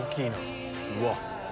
うわっ！